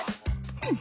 うん。